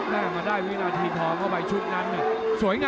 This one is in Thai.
และมันมีชุดต่อเนื่องด้วย